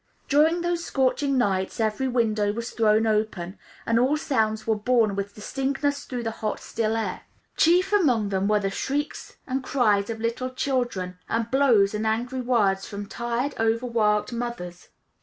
During those scorching nights every window was thrown open, and all sounds were borne with distinctness through the hot still air. Chief among them were the shrieks and cries of little children, and blows and angry words from tired, overworked mothers.